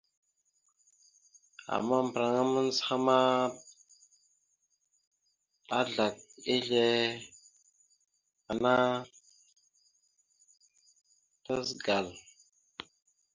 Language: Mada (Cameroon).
Ama mbəraŋa mandzəhaŋa ma, azlac ezle ana tazəgal.